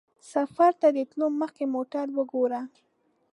سفر ته د تلو مخکې موټر وګوره.